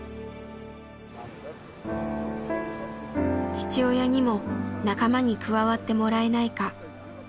父親にも仲間に加わってもらえないか。